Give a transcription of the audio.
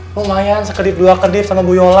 lumayan sekedip dua kedip sama buyola